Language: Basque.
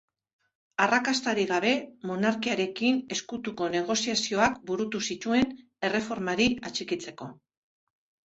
Arrakastarik gabe, monarkiarekin ezkutuko negoziazioak burutu zituen erreformari atxikitzeko.